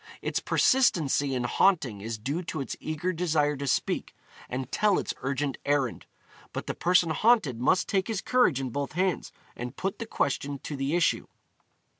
Its persistency in haunting is due to its eager desire to speak, and tell its urgent errand, but the person haunted must take his courage in both hands and put the question to the issue.